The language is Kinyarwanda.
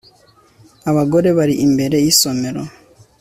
Abagore bari imbere yisomero